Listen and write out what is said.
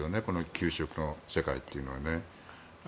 給食の世界というのはね。